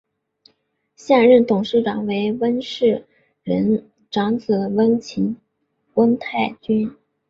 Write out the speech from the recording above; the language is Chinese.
现任董事长为温世仁长子温泰钧。